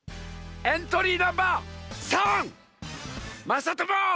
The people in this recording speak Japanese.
エントリーナンバー３まさとも！